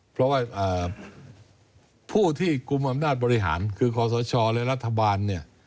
เพราะว่าผู้ที่กลุ่มอำนาจบริหารคือขอสชและรัฐบาลเนี่ย